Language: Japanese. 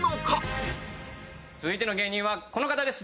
続いての芸人はこの方です。